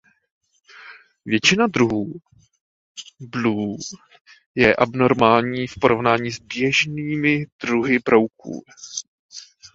Většina druhů blue je abnormální v porovnání s běžnými druhy brouků.